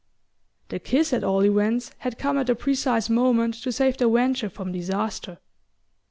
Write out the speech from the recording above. The kiss, at all events, had come at the precise moment to save their venture from disaster.